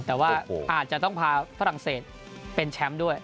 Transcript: แต่ว่าอาจจะต้องพาฝรั่งเศสเป็นแชมป์ด้วย